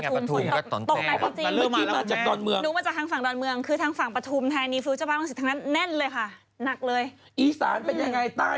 ประธูมล์พื้นได้ตกแต่